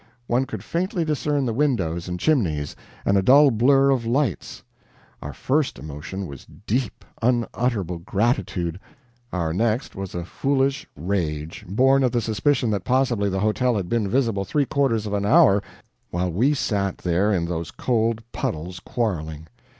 One could faintly discern the windows and chimneys, and a dull blur of lights. Our first emotion was deep, unutterable gratitude, our next was a foolish rage, born of the suspicion that possibly the hotel had been visible three quarters of an hour while we sat there in those cold puddles quarreling.